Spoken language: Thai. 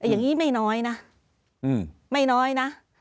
อย่างนี้ไม่น้อยนะ